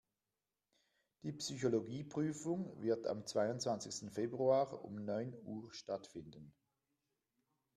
Die Psychologie-Prüfung wird am zweiundzwanzigsten Februar um neun Uhr stattfinden.